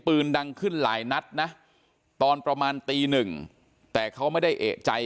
ปืนดังขึ้นหลายนัดนะตอนประมาณตีหนึ่งแต่เขาไม่ได้เอกใจ